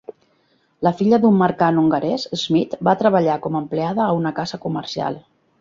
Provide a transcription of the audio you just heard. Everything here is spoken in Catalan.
La filla d'un mercant hongarès, Smith va treballar com a empleada a una casa comercial.